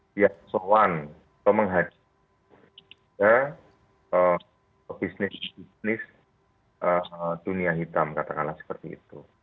biasa soan atau menghadirkan bisnis bisnis dunia hitam katakanlah seperti itu